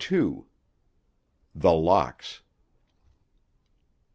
THE LOCKS.